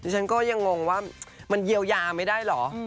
ฉันก็ยังงงว่ามันเยียวยาไม่ได้เหรอ